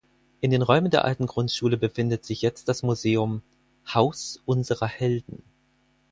In den Räumen der alten Grundschule befindet sich jetzt das Museum „Haus unserer Helden“.